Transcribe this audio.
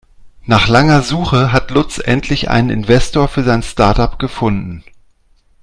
Nach langer Suche hat Lutz endlich einen Investor für sein Startup gefunden.